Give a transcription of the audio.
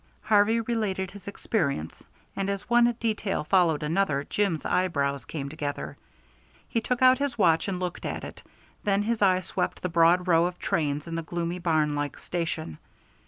Harvey related his experience, and as one detail followed another Jim's eyebrows came together. He took out his watch and looked at it, then his eye swept the broad row of trains in the gloomy, barnlike station.